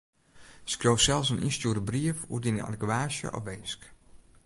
Skriuw sels in ynstjoerde brief oer dyn argewaasje of winsk.